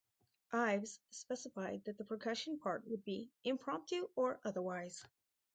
Ives specified that the percussion part would be "impromptu or otherwise".